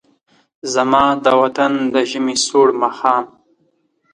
زما د وطن د ژمې سوړ ماښام